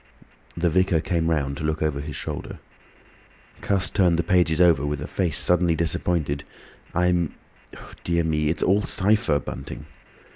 The vicar came round to look over his shoulder. Cuss turned the pages over with a face suddenly disappointed. "I'm—dear me! It's all cypher, Bunting."